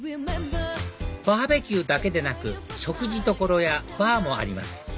バーベキューだけでなく食事どころやバーもあります